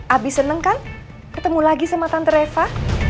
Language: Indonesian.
abis seneng kan ketemu lagi sama tante reva